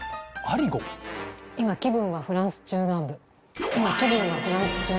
今気分はフランス中南部。